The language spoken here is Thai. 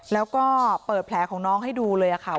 แล้วก็เปิดแผลของน้องให้ดูเลยค่ะ